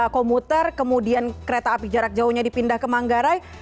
komuter kemudian kereta api jarak jauhnya dipindah ke manggarai